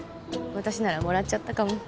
私ならもらっちゃったかも。